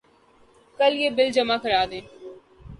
کل یہ بل جمع کرادیں